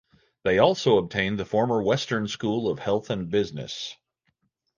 They also obtained the former Western School of Health and Business.